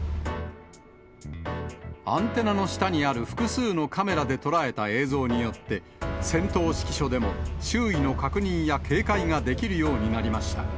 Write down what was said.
アンテナの下にある複数のカメラで捉えた映像によって、戦闘指揮所でも周囲の確認や警戒ができるようになりました。